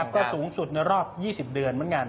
ก็สูงสุดในรอบ๒๐เดือนเหมือนกัน